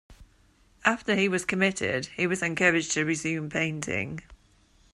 After he was committed, he was encouraged to resume painting.